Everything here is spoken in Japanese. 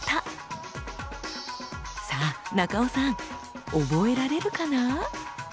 さあ中尾さん覚えられるかな？